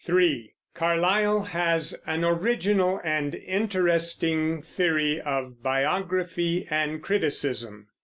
(3) Carlyle has an original and interesting theory of biography and criticism.